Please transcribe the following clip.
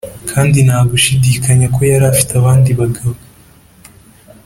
kandi nta gushidikanya ko yari afite abandi bagabo,